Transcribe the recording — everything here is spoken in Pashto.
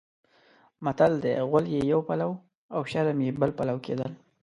متل دی: غول یې یو پلو او شرم یې بل پلو کېدل.